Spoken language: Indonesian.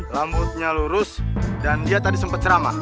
rambutnya lurus dan dia tadi sempat ceramah